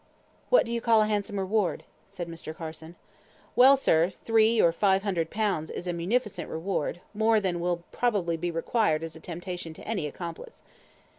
"What do you call a handsome reward?" said Mr. Carson. "Well, sir, three, or five hundred pounds is a munificent reward: more than will probably be required as a temptation to any accomplice."